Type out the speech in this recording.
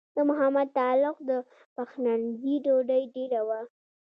د محمد تغلق د پخلنځي ډوډۍ ډېره وه.